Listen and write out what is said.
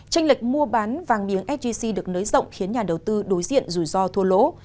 tranh lệch mua bán vàng miếng sgc được nới rộng khiến nhà đầu tư đối diện rủi ro thua lỗ